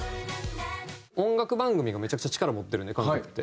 音楽番組がめちゃくちゃ力持ってるんで韓国って。